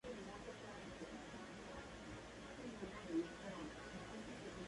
Se casaron y se fueron a vivir al barrio de Floresta.